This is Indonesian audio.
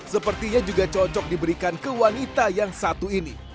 sepertinya juga cocok diberikan ke wanita yang satu ini